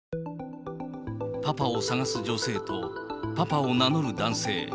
パパを探す女性と、パパを名乗る男性。